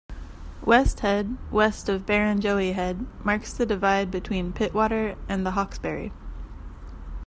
West Head, west of Barrenjoey Head, marks the divide between Pittwater and the Hawkesbury.